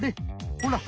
ほら！